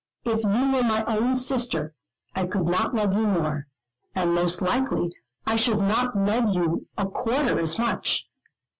If you were my own sister, I could not love you more; and most likely I should not love you a quarter as much.